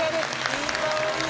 いい香り！